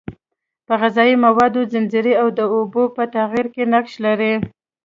په غذایي موادو ځنځیر او د اوبو په تغییراتو کې نقش لري.